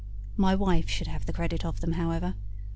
My wife should have the credit of them, however.